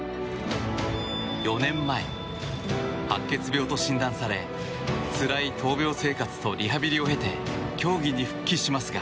４年前、白血病と診断されつらい闘病生活とリハビリを経て競技に復帰しますが